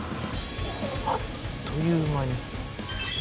あっという間に。